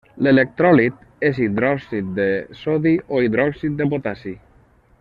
L'electròlit és hidròxid de sodi o hidròxid de potassi.